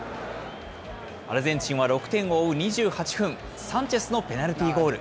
アルゼンチンは６点を追う２８分、サンチェスのペナルティーゴール。